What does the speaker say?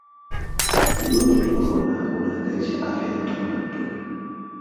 ugonjwa wa korona unahatarisha afya ya mama na mtoto